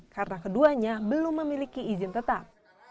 karena keduanya belum memiliki izin tetap